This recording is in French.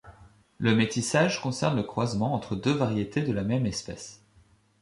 Le métissage concerne le croisement entre deux variétés de la même espèce.